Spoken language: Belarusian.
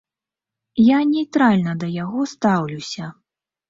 Я нейтральна да яго стаўлюся.